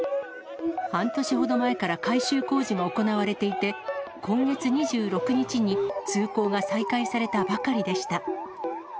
半年ほど前から改修工事が行われていて、今月２６日に通行が再開されたばかりでした。